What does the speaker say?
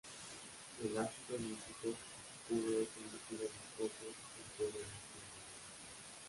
El ácido nítrico puro es un líquido viscoso, incoloro e inodoro.